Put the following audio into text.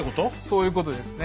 そういうことですね。